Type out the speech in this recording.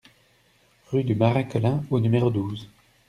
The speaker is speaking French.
Rue du Marais Colin au numéro douze